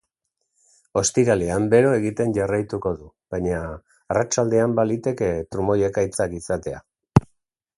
Ostiralean, bero egiten jarraituko du, baina arratsaldean baliteke trumoi-ekaitzak izatea.